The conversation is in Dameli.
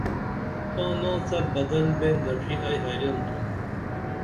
تاں ناڅپ بدل بین دڇھی ائی خیرن تُھم